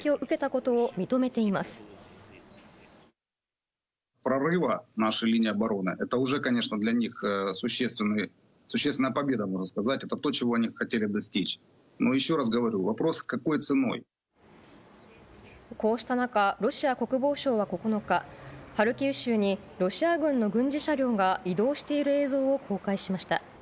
こうした中、ロシア国防省は９日、ハルキウ州にロシア軍の軍事車両が移動している映像を公開しました。